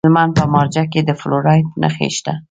د هلمند په مارجه کې د فلورایټ نښې شته.